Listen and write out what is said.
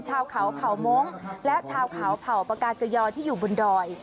ชาวเขาเผ่ามงค์และชาวเขาเผ่าปากาเกยอที่อยู่บนดอย